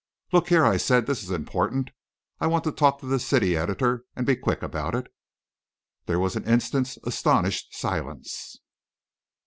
"Look here," I said, "this is important. I want to talk to the city editor and be quick about it." There was an instant's astonished silence.